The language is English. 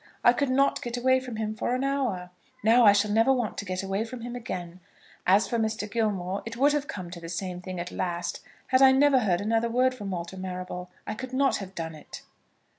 I could not get away from him for an hour. Now I shall never want to get away from him again. As for Mr. Gilmore, it would have come to the same thing at last, had I never heard another word from Walter Marrable. I could not have done it."